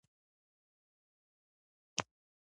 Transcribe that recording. لښکرو او جنګیالیو مېړنو په باره کې اطلاع راکوي.